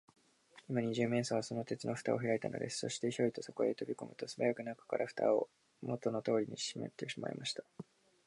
今、二十面相は、その鉄のふたをひらいたのです。そして、ヒョイとそこへとびこむと、すばやく中から、ふたをもとのとおりにしめてしまいました。